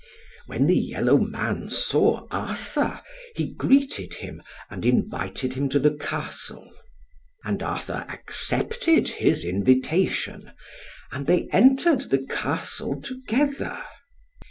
When the yellow man saw Arthur, he greeted him, and invited him to the Castle. And Arthur accepted his invitation, and they entered the Castle together.